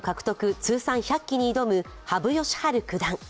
通算１００期に挑む羽生善治九段。